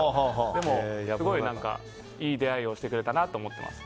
でも、すごくいい出会いをしてくれたなと思っています。